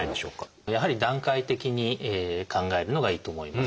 やはり段階的に考えるのがいいと思います。